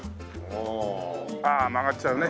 ああ曲がっちゃうね。